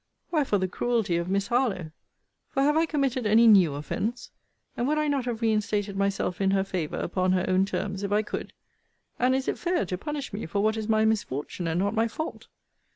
why for the cruelty of Miss Harlowe: For have I committed any new offence? and would I not have re instated myself in her favour upon her own terms, if I could? And is it fair to punish me for what is my misfortune, and not my fault?